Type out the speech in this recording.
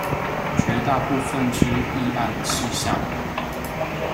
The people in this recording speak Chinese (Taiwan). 絕大部分之議案事項